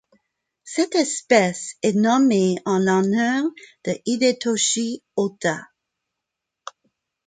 Cette espèce est nommée en l'honneur d'Hidetoshi Ota.